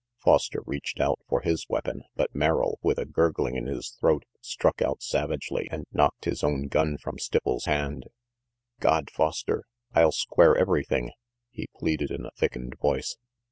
Foster reached out for his weapon, but Merrill, with a gurgling in his throat, struck out savagely and knocked his own gun from Stipples' hand. "God, Foster, I'll square everything!" he pleaded in a thickened voice.